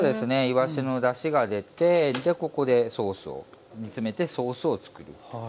いわしのだしが出てでここでソースを煮詰めてソースを作ります。